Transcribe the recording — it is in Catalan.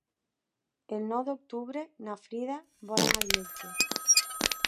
El nou d'octubre na Frida vol anar al metge.